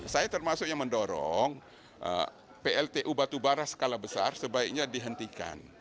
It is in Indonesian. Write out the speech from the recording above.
saya termasuk yang mendorong pltu batubara skala besar sebaiknya dihentikan